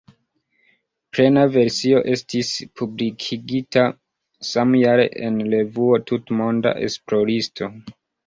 Plena versio estis publikigita samjare en revuo "Tutmonda esploristo".